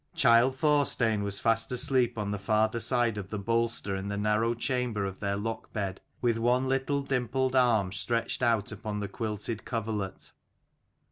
Child Thorstein was fast asleep on the farther side of the bolster in the narrow chamber of their lock bed, with one little dimpled arm stretched upon the quilted coverlet.